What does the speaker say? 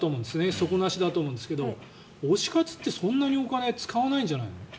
底なしだと思うんだけど推し活ってそんなにお金かからないんじゃない？